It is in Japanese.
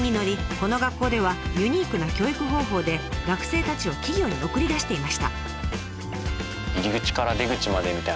この学校ではユニークな教育方法で学生たちを企業に送り出していました。